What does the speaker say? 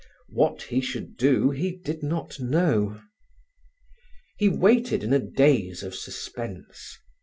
What he should do he did not know. He waited in a daze of suspense.